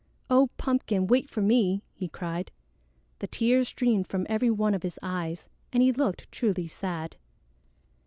"Oh, Pumpkin, wait for me!" he cried. The tears streamed from every one of his eyes, and he looked truly sad.